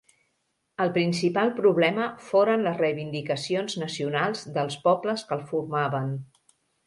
El principal problema foren les reivindicacions nacionals dels pobles que el formaven.